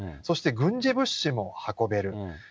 そして軍事物資も運べる。